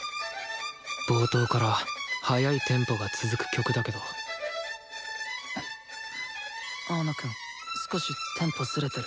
冒頭から速いテンポが続く曲だけど青野くん少しテンポズレてる。